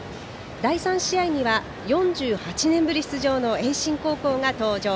第３試合には４８年ぶり出場の盈進高校が登場。